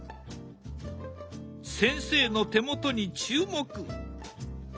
先生の手元に注目！